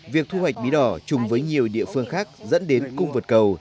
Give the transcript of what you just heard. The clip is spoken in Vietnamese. việc thu hoạch bí đỏ chung với nhiều địa phương khác dẫn đến cung vượt cầu